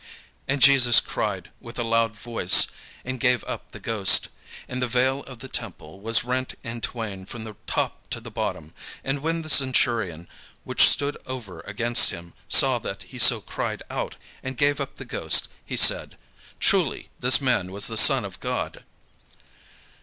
And Jesus cried with a loud voice, and gave up the ghost. And the veil of the temple was rent in twain from the top to the bottom. And when the centurion, which stood over against him, saw that he so cried out, and gave up the ghost, he said: "Truly this man was the Son of God."